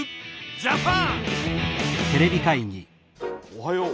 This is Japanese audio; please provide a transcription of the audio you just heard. おはよう。